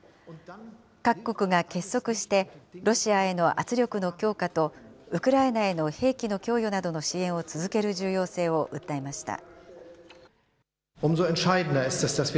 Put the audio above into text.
各国が結束して、ロシアへの圧力の強化と、ウクライナへの兵器の供与などの支援を続ける重要性を訴えました。